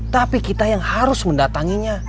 tapi kita yang harus mendatanginya